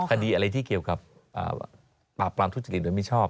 คดีอะไรที่เกี่ยวกับปราบปรามทุจริตโดยมิชอบ